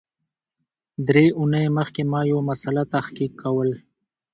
درې اونۍ مخکي ما یو مسأله تحقیق کول